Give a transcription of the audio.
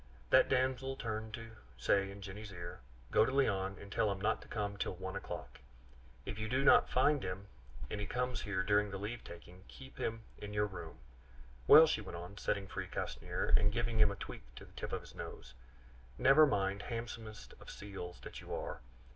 That damsel turned to say in Jenny's ear, "Go to Léon, and tell him not to come till one o'clock. If you do not find him, and he comes here during the leave taking, keep him in your room. Well," she went on, setting free Castanier, and giving a tweak to the tip of his nose, "never mind, handsomest of seals that you are.